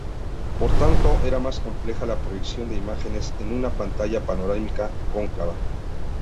Por tanto, era más compleja la proyección de imágenes en una pantalla panorámica cóncava.